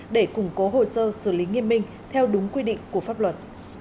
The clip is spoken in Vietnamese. để củng cố hồ sơ xử lý nghiêm minh theo đúng quy định của pháp luật